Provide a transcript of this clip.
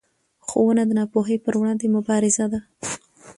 ښوونه د ناپوهۍ پر وړاندې مبارزه ده